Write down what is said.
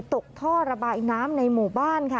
ตกท่อระบายน้ำในหมู่บ้านค่ะ